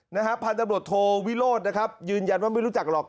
นะฮะพันธบรวจโทวิโรธนะครับยืนยันว่าไม่รู้จักหรอก